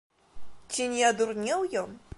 Ці не адурнеў ён?